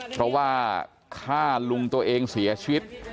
เพราะว่าฆ่าลุงตัวเองเสียชีวิต